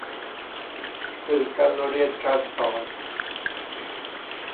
สื่อการเรียนการสอน